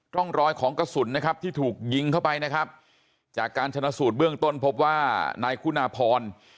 ร่องรอยของกระสุนนะครับที่ถูกยิงเข้าไปนะครับจากการชนะสูตรเบื้องต้นพบว่านายคุณาพร